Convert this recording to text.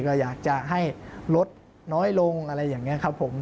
ก็อยากจะให้ลดน้อยลงอะไรอย่างนี้ครับผม